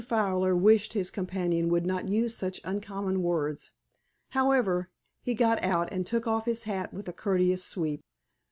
Fowler wished his companion would not use such uncommon words. However, he got out, and took off his hat with a courteous sweep.